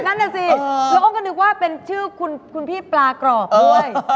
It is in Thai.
นั่นน่ะสิแล้วอ้อมก็นึกว่าเป็นชื่อคุณพี่ปลากรอบด้วย